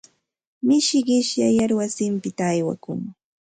Mishi qishyayar wasinpita aywakun.